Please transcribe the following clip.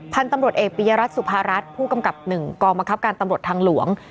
พันธุ์ตำรวจเอกปียรัฐสุภารัฐผู้กำกับ๑กองบังคับการตำรวจทางหลวง